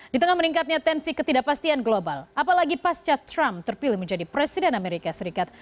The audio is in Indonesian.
di tengah meningkatnya tensi ketidakpastian global apalagi pasca trump terpilih menjadi presiden amerika serikat